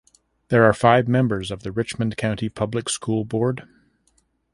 There are five members of the Richmond County Public School board.